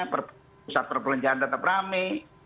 pusat perbelanjaan tetap rame